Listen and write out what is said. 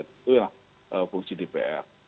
itu ya fungsi dpr